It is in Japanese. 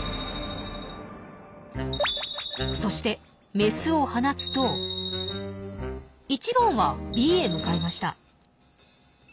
そしてメスを放つと１番はＢへ向かいました。